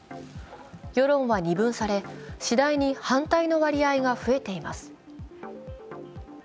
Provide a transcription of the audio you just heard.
世論は二分され、次第に反対の割合が増えています。